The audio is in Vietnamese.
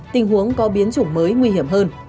tình huống có biến chủng mới nguy hiểm hơn